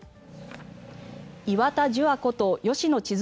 岩田樹亞こと吉野千鶴